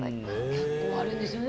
結構あるんですよね。